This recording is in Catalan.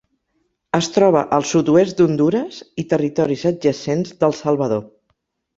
Es troba al sud-oest d'Hondures i territoris adjacents del Salvador.